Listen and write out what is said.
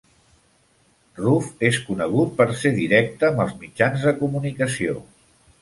Ruff és conegut per ser directe amb els mitjans de comunicació.